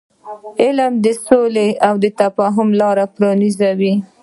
علم د سولې او تفاهم لار پرانیزي.